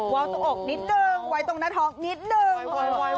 ้าวตรงอกนิดนึงไว้ตรงหน้าท้องนิดนึง